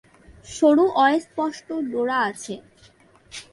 সরু অস্পষ্ট ডোরা আছে।